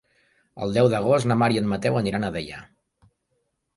El deu d'agost na Mar i en Mateu aniran a Deià.